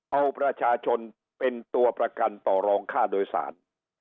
เอาประชาชนเป็นตัวประกันต่อรองค่าโดยสาร